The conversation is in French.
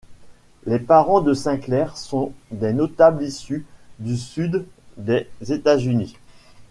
Les parents de Sinclair sont des notables issus du Sud des États-Unis.